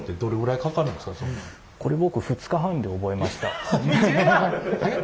これ僕短っ！